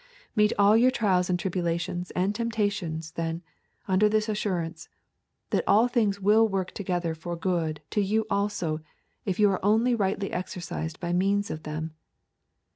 Meet all your trials and tribulations and temptations, then, under this assurance, that all things will work together for good to you also if you are only rightly exercised by means of them.